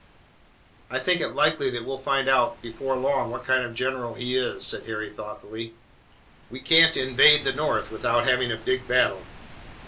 "I think it likely that we'll find out before long what kind of a general he is," said Harry thoughtfully. "We can't invade the North without having a big battle."